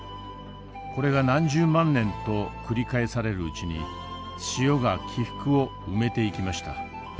これが何十万年と繰り返されるうちに塩が起伏を埋めていきました。